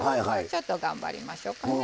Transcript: ちょっと頑張りましょうかね。